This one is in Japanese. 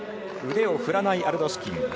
腕を振らないアルドシュキン。